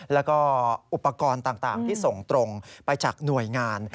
แล้วก็อุปกรณ์ต่างที่ส่งตรงไปจากหน่วยงาน